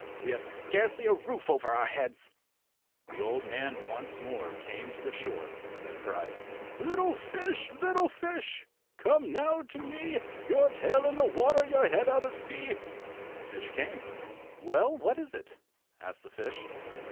We have scarcely a roof over our heads." The old man once more came to the shore, and cried— "Little fish, little fish, come now to me, Your tail in the water, your head out of sea!" The fish came. "Well, what is it?" asked the fish.